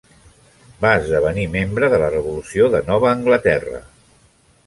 Va esdevenir membre de la Revolució de Nova Anglaterra.